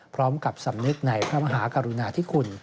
สำหรับสำนึกในพระมหากรุณาธิคุณ